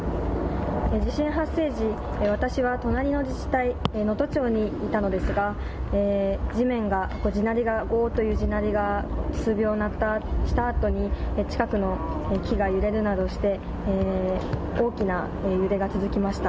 地震発生時、私は隣の自治体、能登町にいたのですが、地面が、地鳴りがごーっという地鳴りが数秒したあとに、近くの木が揺れるなどして、大きな揺れが続きました。